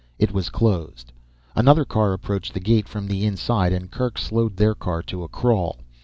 It was closed. Another car approached the gate from the inside and Kerk slowed their car to a crawl.